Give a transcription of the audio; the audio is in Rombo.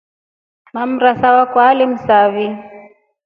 Mwamrasa wakwa alimsai.